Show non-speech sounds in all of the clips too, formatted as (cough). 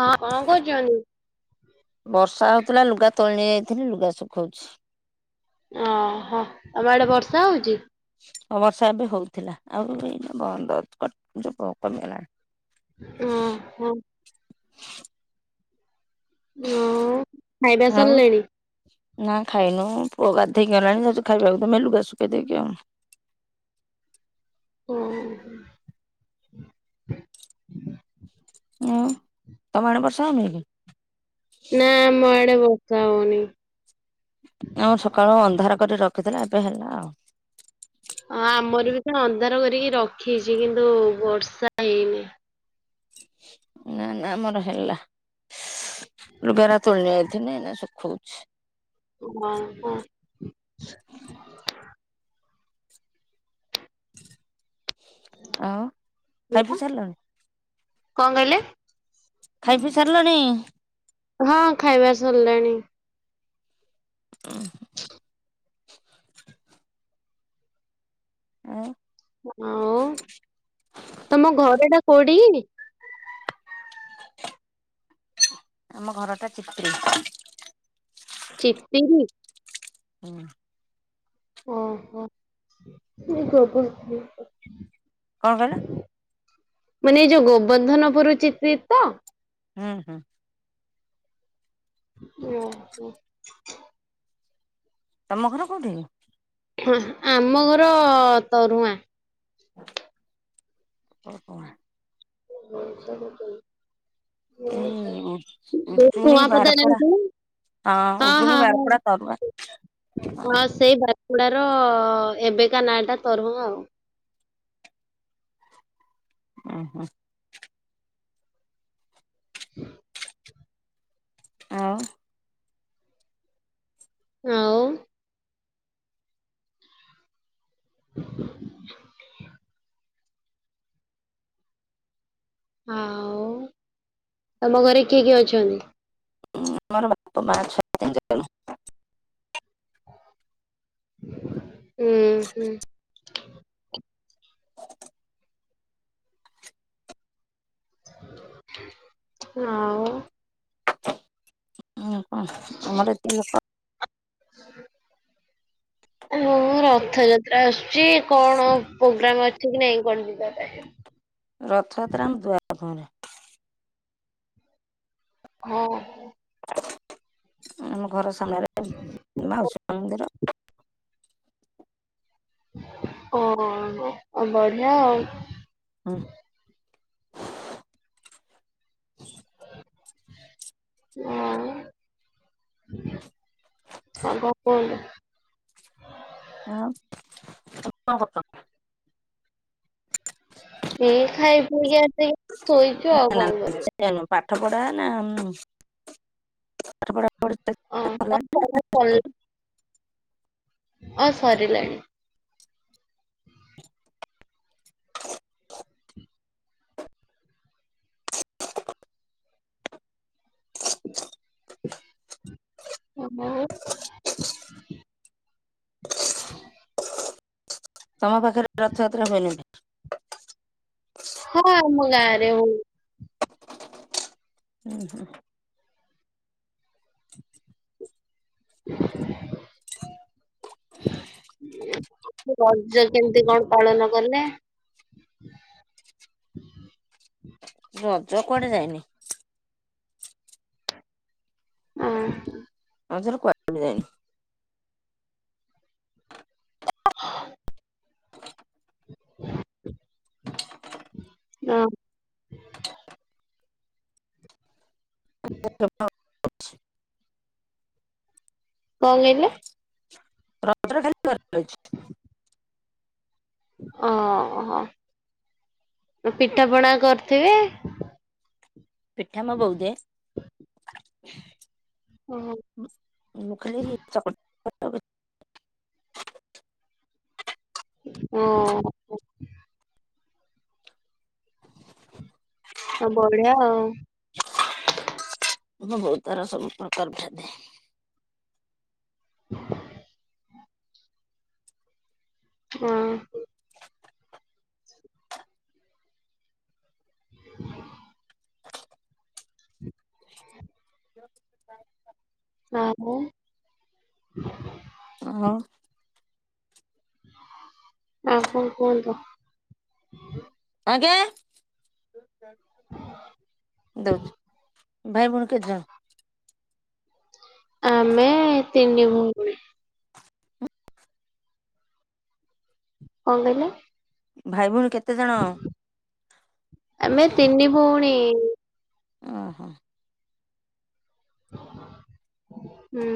ହଁ କଣ କରୁଛନ୍ତି? ବର୍ଷା ହଉଥିଲା ଲୁଗା ତୋଳି ନେଇ ଯାଇଥିଲି ଲୁଗା ଶୁଖାଉଛି। ଓହୋ ତମ ଆଡେ ବର୍ଷା ହଉଛି? ବର୍ଷା ଏବେ ହଉଥିଲା ଆଉ (inaudible) ଓ ହୋ। ହଁ ଆଉ ଖାଇବା ଆଉ ସାରିଲାଣି? ନା ଖାଇନୁ ପୁଅ ଗାଧେଇକି ଆଇଲାଣି ଯାଉଛୁ ଖାଇବାକୁ ଆମେ ଲୁଗା ଶୁଖେଇ ଦେଇକି ଆଉ ତମ ଆଡ଼େ ବର୍ଷା ହଉନି କିି? ନା ଆମ ଆଡେ ବର୍ଷା ହଉନି। ଆମର ସକାଳୁ ଅନ୍ଧାର କରି ରଖିଥିଲା ଏବେ ହେଲା ଆଉ। ହ ଆମର ବି ତ ଅନ୍ଧାର କରିକି ରଖିଛି କିନ୍ତୁ ବର୍ଷା ହେଇନି। ନା ନା ଆମର ହେଲା ଲୁଗା ଏରା ତୋଳି ନେଇ ଯାଇଥିଲି ଏବେ ଶୁଖଉଛି। (inaudible) (inaudible) ଆଉ ଖାଇପିଇ ସାରିଲଣି? କଣ କହିଲେ? ଖାଇ ପିଇ ସାରିଲାଣି? ହଁ ଖାଇବାର ସରିଲାଣି। (inaudible) (unintelligible) ହଉ ତମ ଘର ଟା କୋଉଠି? ଆମ ଘର ଟା ଚି (unintelligible) (unintelligible) (unintelligible) ଓହୋ (inaudible) କଣ କହିଲ? ମାନେ ଏଇ ଯୋଉ ଗୋବର୍ଦ୍ଧନପୁର ଚିତ୍ରି ତ? ହୁଁ ହୁଁ। ଓହୋ। ତମ ଘର କୋଉଠି? ଆମ ଘର ତରୁଆଁ। (inaudible) (inaudible) ଏଇ ନୂଆପଦା ନାଚୁଣି ବାରପଡା। ଜାଣିଛୁ ନା? ହଁ ଉୁଜୁଣି ବାରକୁଡା ତରୁଆଁ। ହଁ ସେଇ ବାରକୁଡାର ଏବେକା ନାଁ ଟା ତରୁଆଁ ଉ। ଉ ହୁଁ। (inaudible) ଆଉ ଆଉ। (inaudible) ଆଉ ତମ ଘରେ କିଏ କିଏ ଅଛନ୍ତି? ହୁଁ ଆମର ବାପା ମା (inaudible) ହୁଁ ହୁଁ। ଆଉ ହୁଁ କଣ ଆମର ଏତିକି ଲୋକ। (inaudible) ହଁ ରଥଯାତ୍ରା ଆସୁଛି କଣ ପୋଗ୍ରାମ୍ ଅଛି କି ନାଇଁ କୁଆଡ଼େ ଯିବା ପାଇଁ? ରଥଯାତ୍ରା ଆମ ଦୁଆର ମୁହଁରେ। (inaudible) ଆମ ଘର ସାମ୍ନାରେ ମାଉସୀ ମା ମନ୍ଦିର। ଓ ଆଉ ବଢିଆ ଉ। ହୁଁ (inaudible) (inaudible) (unintelligible) ଆଉ କଣ କୁହନ୍ତୁ? ଆଁ (unintelligible) ଏଇ ଖାଇ ପିଇକି ଆସିକି ଶୋଇଛୁ ଆଉ ନା ନା କଣ ସେ କରିବୁ। ପାଠ ପଢା ନା ପାଠ ପଢା ପଢି ହଁ ସରିଲାଣି ପାଠ ପଢା ସାରିଲାଣି (inaudible) ହଁ ସରିଲାଣି। ଓ ହୋଉ (inaudible) ତମ ପାଖରେ ରଥଯାତ୍ରା ହୁଏନି କି? ହଁ ଆମ ଗାଁ ରେ ହୁଏ। ହୁଁ ହୁଁ। (unintelligible) (unintelligible) ରଜ କେମିତି କଣ ପାଳନ କଲେ? ରଜ କୁଆଡେ ଯାଇନି। ଉଁ ହୁଁ। ରଜରେ କୁହାଡ଼େ ଯାଇନୁ। (inaudible) ହ (inaudible) (unintelligible) କଣ କହିଲେ? ରଜରେ ଖାଲି (unintelligible) ଓହୋଃ, ପିଠା ପଣା କରିଥିବେ? ପିଠା ମୋ ବୋଉ ଦିଏ। ମୁଁ ଖାଲି ଚକୁଳି (unintelligible) ଓହୋଃ। ଆଁ ବଢିଆ ଆଉ। ମୋ ବୋଉ ତାର ସବୁ ପ୍ରକାର (inaudible) ହ ହଁ। ହଁ ନା, ମ। (inaudible) ଆଉ କଣ କରୁଛ? ଆଜ୍ଞା, ଦଉଛି। ଭାଇ ଭଉଣୀ କେତେ ଜଣ? ଆମେ ତିନି ଭଉଣୀ। କଣ କହିଲେ? ଭାଇ ଭଉଣୀ କେତେ ଜଣ? ଆମେ ତିନି ଭଉଣୀ। ଅଁ ହଁ।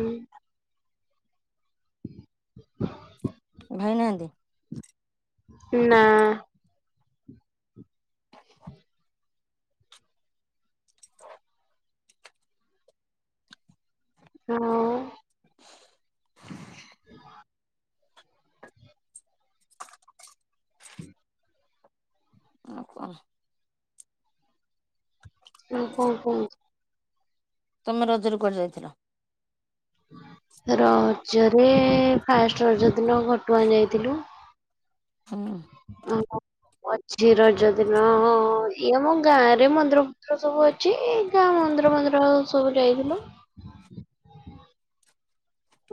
ହୁଁ। ଭାଇ ନାହାନ୍ତି? ନା। ହଁ (inaudible) (inaudible) (inaudible) ହଁ (inaudible) ହୁଁ। ଆଉ କଣ? ହୁଁ, ହୁଁ, ହୁଁ। ତମେ ରଜରେ କୁଆଡେ ଯାଇଥିଲ? ରଜରେ ଫାଷ୍ଟ ରଜ ଦିନ ଘଟଗାଁ ଯାଇଥିଲୁ। (inaudible) (inaudible) ଆଉ କଣ ମଝି ରଜ ଦିନ ହଁ ଇଏ ଆମ ଗାଁ ରେ ମନ୍ଦିର ଫନ୍ଦିର ସବୁ ଅ ଛି ମନ୍ଦିର ମନ୍ଦିର ସବୁ ଯାଇଥିଲୁ।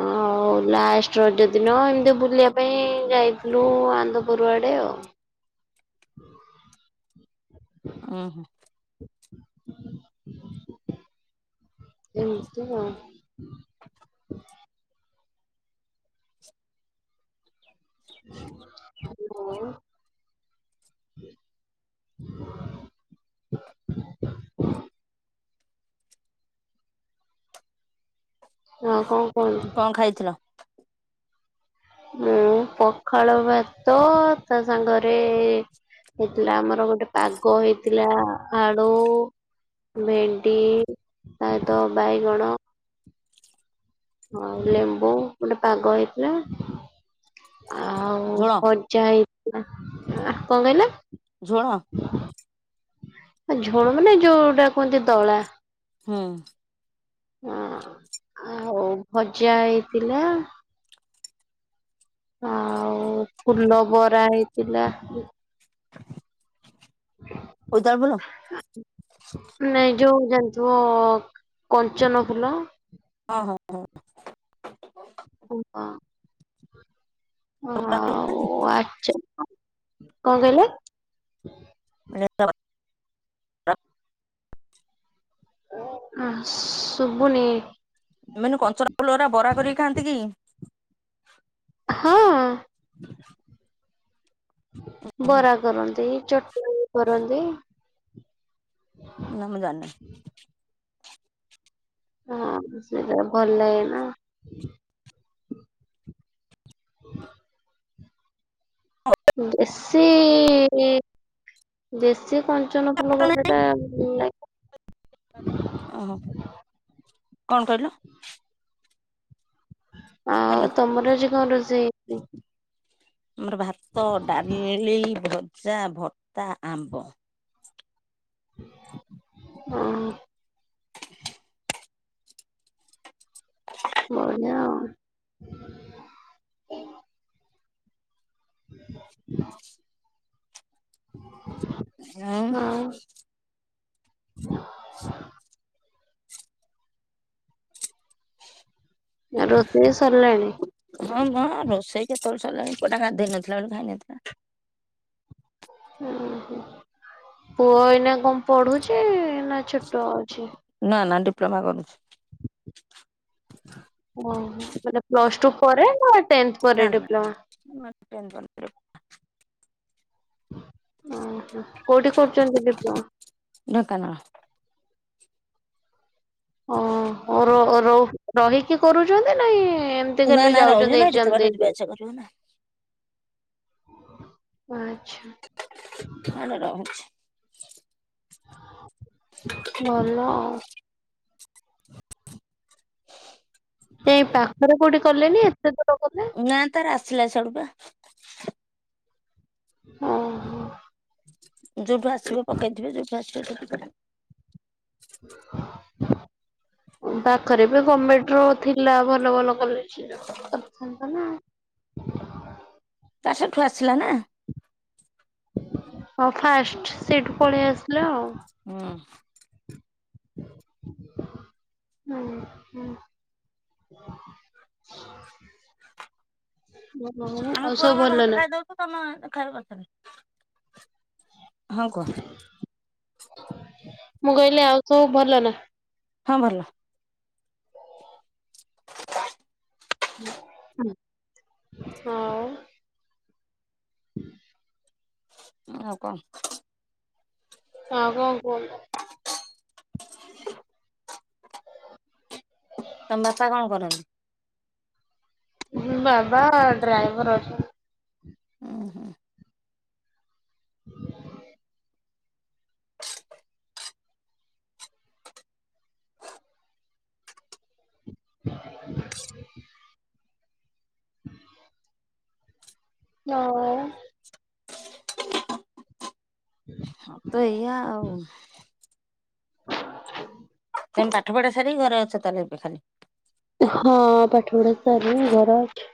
ଆଉ ହଉ ଲାଷ୍ଟ ରଜ ଦିନ ଏମିତି ବୁଲିବା ପାଇଁ ଯାଇଥିଲୁ ଆନ୍ଧପୁର ଆଡେ ଆଉ। ଓହୋ। ଏମିତି ଆଉ (inaudible) ହଁ କଣ କହନ୍ତୁ? କଣ ଖାଇଥିଲ? ମୁଁ ପଖାଳ ଭାତ ତା ସାଙ୍ଗରେ ହେଇଥିଲା ଆମର ଗୋଟେ ପାଗ ହେଇଥିଲା ଆଳୁ ଭେଣ୍ଡି ତାହିତ ବାଇଗଣ ହଁ ଲେମ୍ବୁ ଗୋଟେ ପାଗ ହେଇଥିଲା ଝୋଳ ଆଉ ଚା ହେଇଥିଲା କଣ କହିଲ? ଝୁଣ। ଝୋଳ ମାନେ ଯୋଉଟା କୁହନ୍ତି ଦଳା। ହଁ। ହଁ ଆଉ ଭଜା ହେଇଥିଲା। ଆଉ ଫୁଲ ବରା ହେଇଥିଲା। ହ (inaudible) ହ (inaudible) (unintelligible) ନାଇଁ ଯୋଉ ଜାଣିଥିବ କଞ୍ଚନ ଫୁଲ। ହଁ ହଁ ହଁ। (unintelligible) ଆଉ ଆଚ୍ଛା କଣ କହିଲେ? ମାନେ ଶୁବୁନି ଏମାନେ କଞ୍ଚରା ଫୁଲରା ବରା କରିକି ଖାଆନ୍ତି କି? ହଁ। ହ (inaudible) ବରା କରନ୍ତି ଚଟଣି କରନ୍ତି। ନାଁ ମୁଁ ଜାଣିନି। ହଁ ସେଟା ଭଲ ଲାଗେ ନା। ହ (inaudible) ହଉ। ବେଶୀ ଦେଶୀ କଞ୍ଚନ ଫୁଲ ଭାତ ଘର ନାହିଁ ଟା ଲା ଓହୋ କଣ କହିଲ? ଆଉ ହ୍ୟାଲୋ ତମର ଆଜି କଣ ରୋଷେଇ ହେଇଛି? ଆମର ଭାତ ଡାଲି ଭଜା ଭତା ଆମ୍ବ। ହଁ। ହଉନି। ହ ହଁ। ଆଉ ରୋଷେଇ ବି ସରିଲାଣି। ହଁ ମ ରୋଷେଇ କେତେବେଳେ ସରିଲାଣି ପୋଆଟା ଗାଧେଇ ନଥିଲା ବଳେ ଖାଇନଥିଲା। ହୁଁ ହୁଁ ପୁଅ ଏଇନା କଣ ପଢୁଛି ନା ଛୋଟ ଅଛି? ନା ନା ଡିପ୍ଲୋମା କରୁଛି। ଓ ହୋ ମାନେ ପ୍ଲସ୍ ଟୁ ପରେ ନା ଟେନ୍ଥ ପରେ ଡିପ୍ଲୋମା। ମେ ତନ୍ଦି (unintelligible) ଓ ହଁ କୋଉଠି କରୁଛନ୍ତି ଡିପ୍ଲୋମା? ଢ଼େଙ୍କାନାଳ। ଓ ହଁ ର ରୋ ରହିକି କରୁଛନ୍ତି ନାଇଁ ଏ ଏମିତି ନା ଖାଲି ନା ରହିବ ଯାଉଛନ୍ତି ନା ଏତେ ଏଜାମ ବାଟ ଯିବା ଦେଇକି। ଆସିବା କରିବ ନା ଆଛା। ଆଲୋ ରହୁଛି। ଭଲ ଆଉ। (inaudible) ଏ ପାଖରେ କୋଉଠି କଲେନି ଏତେ ଦୂର କଲେ? ନା ତାର ଆସିଲା ସେଇଆଡୁପା। ଆଁ ହଁ। ଯୋଉଠୁ ଆସିବ ପକେଇଥିବେ ଯଉଠୁ ଆସିବ ଟିକ (unintelligible) ପାଖରେ ବି ଗମେଟର ଥିଲା ଭଲ ଭଲ କରିଥାତା ନା (inaudible) ତା ସେଠୁ ଆସିଲା ନା। ହଁ ଫାଷ୍ଟ ସେଠୁ ପଳେଇ ଆସିଲ ଆଉ। ହୁଁ। ହୁଁ ହୁଁ। ଭଲ ନା ଆମେ ଆଉ ପୁଅର ସବୁ ମୋର ଭାତ ଭଲ ନା। ଖାଇଦଉଛୁ ତମେ ଦେଖବା କରି ହଁ କୁହ। ମୁଁ କହିଲି ଆଉ ସବୁ ଭଲ ନା। ହଁ ଭଲ। ହ (unintelligible) ହଁ (unintelligible) ହୁଁ। ଆଉ କଣ? ଆଉ କଣ କୁଅ ତମ ବାପା କଣ କରନ୍ତି? ହଁ ବାବା ଡ୍ରାଇଭର ଅଛନ୍ତି। ଉଁ ହୁଁ। (inaudible) (inaudible) (unintelligible) ଯାହଉ। ହଁ (unintelligible) ତ ଏଇଆ ଆଉ। ତମେ ପାଠ ପଢା ସାରିକି ଘରେ ଅଛ ତଳେ ଏବେ ଖାଲି। ହଁ ପାଠପଢା ସରିଲାନି ଘର ଅଛି।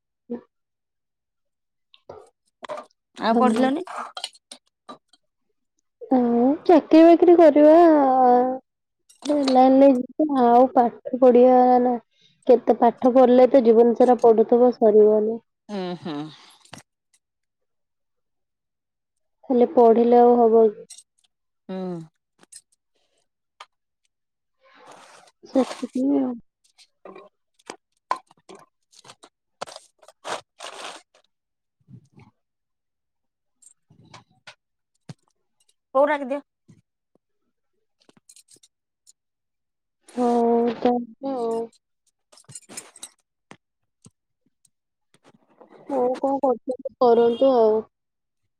(unintelligible) ଆଉ ପଢିଲନି? ଅଁ ଚାକିରି ବାକିରି କରିବା ଆଁ (unintelligible) ଲାଇନରେ (unintelligible) ଆଉ ପାଠ ପଢି (unintelligible) ନା କେତେ ପାଠ ପଢିଲେ ତ ଜୀବନ ସାରା ପଢୁଥିବ ସରିବନି। ଉଁ ହୁଁ। ଖାଲି ପଢିଲେ ଆଉ ହବ କି? ହୁଁ। ସେଥିପାଇଁ ଆଉ। ହଉ ଡାକି ଦିଅ। ହଉ ତା ହେଲେ ଆଉ। ହଉ କଣ କରୁଛନ୍ତି କରନ୍ତୁ ଆଉ।